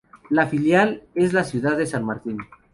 La filial es de la ciudad de San Martín.